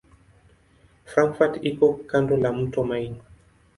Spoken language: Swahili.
Frankfurt iko kando la mto Main.